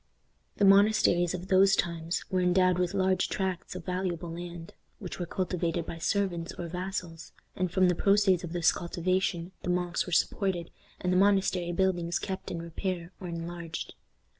The monasteries of those times were endowed with large tracts of valuable land, which were cultivated by servants or vassals, and from the proceeds of this cultivation the monks were supported, and the monastery buildings kept in repair or enlarged.